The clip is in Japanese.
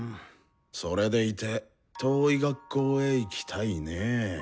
それでいて「遠い学校へ行きたい」ねぇ。